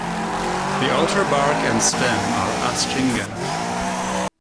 The outer bark and stem are astringent.